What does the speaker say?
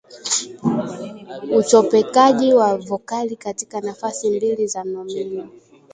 Uchopekaji wa vokali katika nafasi mbili za nomino